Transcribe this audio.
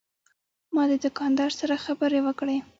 ما د دوکاندار سره خبرې وکړې.